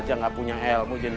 yang tau begitu mereka melengah